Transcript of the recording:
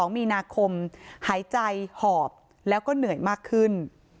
๒มีนาคมหายใจหอบแล้วก็เหนื่อยมากขึ้น